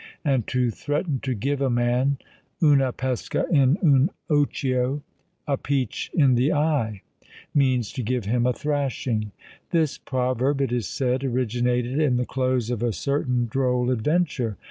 And to threaten to give a man Una pesca in un occhio. A peach in the eye, means to give him a thrashing. This proverb, it is said, originated in the close of a certain droll adventure.